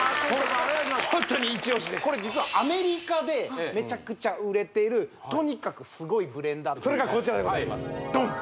これ実はアメリカでメチャクチャ売れているとにかくすごいブレンダーそれがこちらでございますドン！